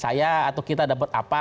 saya atau kita dapat apa